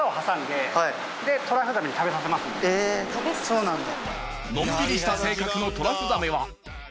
そうなんだ。